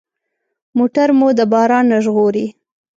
موټر مو د باران نه ژغوري.